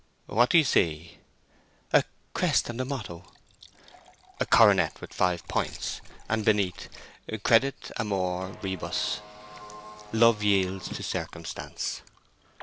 "What do you see?" "A crest and a motto." "A coronet with five points, and beneath, Cedit amor rebus—'Love yields to circumstance.